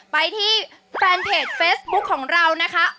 ไปที่แฟนเพจเฟซบุ๊คของเรานะคะ